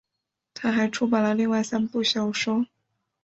她还出版了另外三部小说。